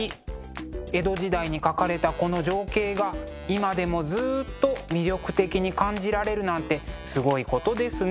江戸時代に描かれたこの情景が今でもずっと魅力的に感じられるなんてすごいことですね。